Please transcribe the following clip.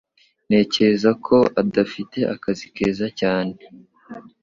Ntekereza ko adafite akazi keza cyane.